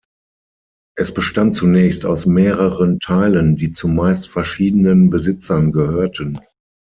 Es bestand zunächst aus mehreren Teilen, die zumeist verschiedenen Besitzern gehörten.